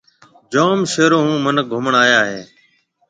جوم شهرون هون مِنک گُهمڻ آيا هيَ۔